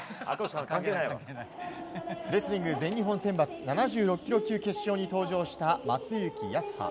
レスリング全日本選抜７６ｋｇ級決勝に登場した松雪泰葉。